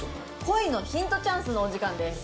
恋のヒントチャンスのお時間です。